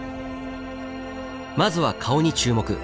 まずは顔に注目。